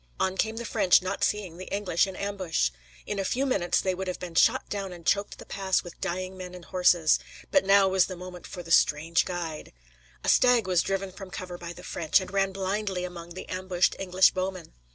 On came the French, not seeing the English in ambush. In a few minutes they would have been shot down and choked the pass with dying men and horses. But now was the moment for the strange guide. A stag was driven from cover by the French, and ran blindly among the ambushed English bowmen.